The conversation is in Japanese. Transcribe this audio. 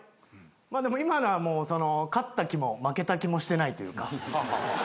でも今のは勝った気も負けた気もしてないというか。